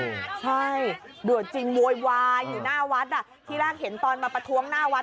ใช่เดือดจริงโวยวายอยู่หน้าวัดอ่ะที่แรกเห็นตอนมาประท้วงหน้าวัด